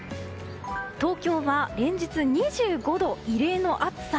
東京は連日２５度、異例の暑さ。